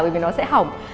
vì nó sẽ hỏng